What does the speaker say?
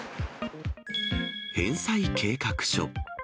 返済計画書。